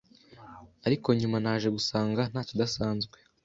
Ariko nyuma naje gusanga ntakidasanzwe